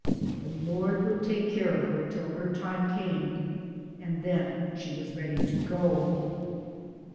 " De Lord would take keer of her till her time came, an' den she was ready to go."